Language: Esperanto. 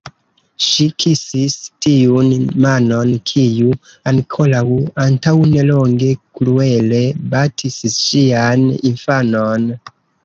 Ŝi kisis tiun manon, kiu ankoraŭ antaŭ nelonge kruele batis ŝian infanon.